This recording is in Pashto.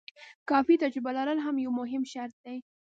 کافي تجربه لرل هم یو مهم شرط دی.